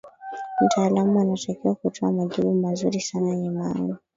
mtaalamu anatakiwa kutoa majibu mazuri sana yenye maoni